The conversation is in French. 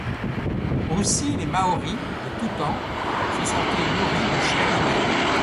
Aussi les Maoris, de tout temps, se sont-ils nourris de chair humaine.